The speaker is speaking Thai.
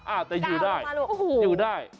อ่ะแต่หยุดได้อุ้โฮหยุดได้